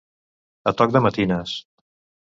A toc de matines.